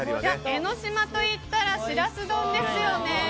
江の島といったらしらす丼ですよね。